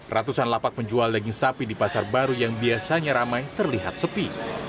ratusan lapak penjual daging sapi di pasar baru yang biasanya ramai terlihat sepi